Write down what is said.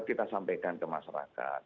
kita sampaikan ke masyarakat